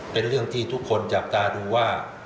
เป็นเรื่องที่ทุกคนจับตาดูว่า